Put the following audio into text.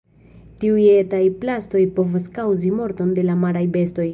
Tiuj etaj plastoj povas kaŭzi morton de la maraj bestoj.